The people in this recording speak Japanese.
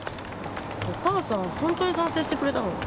お母さんホントに賛成してくれたの？